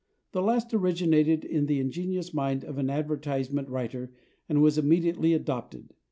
The last originated in the ingenious mind of an advertisement writer and was immediately adopted.